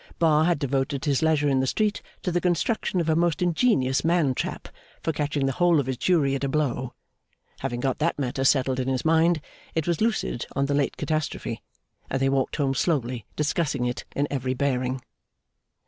Bar had devoted his leisure in the street to the construction of a most ingenious man trap for catching the whole of his jury at a blow; having got that matter settled in his mind, it was lucid on the late catastrophe, and they walked home slowly, discussing it in every bearing.